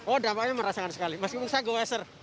oh dampaknya merasakan sekali meskipun saya go wester